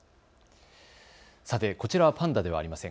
さてこちらはパンダではありません。